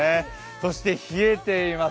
そして、冷えています。